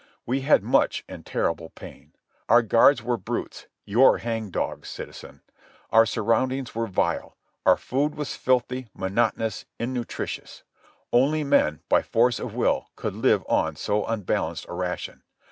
We had much and terrible pain. Our guards were brutes—your hang dogs, citizen. Our surroundings were vile. Our food was filthy, monotonous, innutritious. Only men, by force of will, could live on so unbalanced a ration.